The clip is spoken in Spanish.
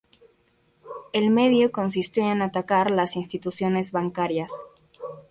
El medio consistía en atacar las instituciones bancarias.